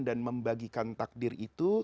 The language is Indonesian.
dan membagikan takdir itu